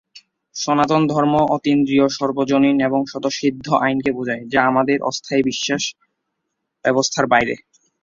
সনাতন ধর্ম, অতীন্দ্রিয়, সর্বজনীন এবং স্বতঃসিদ্ধ আইনকে বোঝায় যা আমাদের অস্থায়ী বিশ্বাস ব্যবস্থার বাইরে।